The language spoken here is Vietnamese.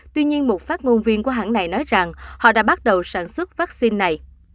tuy nhiên một phát ngôn viên của hãng này nói rằng họ đã bắt đầu sản xuất vaccine này